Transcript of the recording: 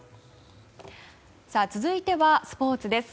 続いてはスポーツです。